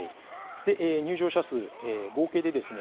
入場者数、合計でですね